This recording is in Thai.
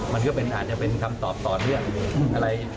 มันก็อาจจะเป็นคำตอบต่อเนื่องอะไร